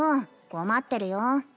困ってるよ。